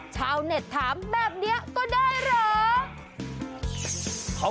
ชาวเน็ตถามแบบนี้ก็ได้เหรอ